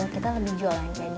kita lebih jualan